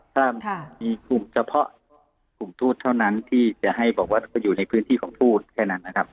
ถ้ามีกลุ่มเฉพาะกลุ่มทูตเท่านั้นที่จะให้บอกว่าไปอยู่ในพื้นที่ของทูตแค่นั้นนะครับ